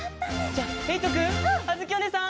じゃあえいとくんあづきおねえさん